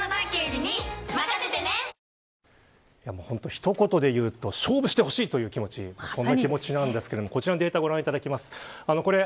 一言で言うと勝負してほしいという気持ちそんな気持ちなんですけどこちらのデータをご覧いただきます。